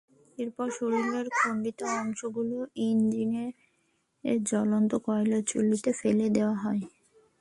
এরপর শরীরের খণ্ডিত অংশগুলো ইঞ্জিনের জ্বলন্ত কয়লার চুল্লিতে ফেলে দেওয়া হয়।